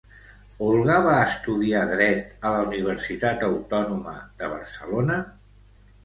Olga va estudiar Dret a la Universitat Autònoma de Barcelona?